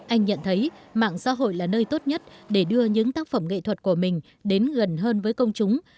anh nhận thấy mạng xã hội là nơi tốt nhất để đưa những tác phẩm nghệ thuật của mình đến gần hơn với công chúng